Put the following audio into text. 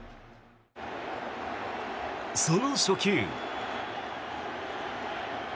その初球。